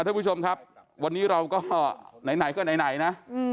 ท่านผู้ชมครับวันนี้เราก็ไหนก็ไหนนะ